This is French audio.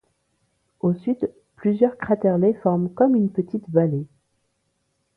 Au sud, plusieurs craterlets forment comme une petite vallée.